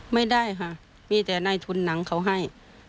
ไม่ได้ค่ะมีแต่ในทุนหนังเขาให้